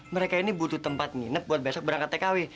mereka ini butuh tempat nginep buat besok berangkat tkw